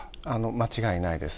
間違いないです。